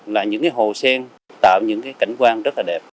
là những cái hồ sen tạo những cái cảnh quan rất là đẹp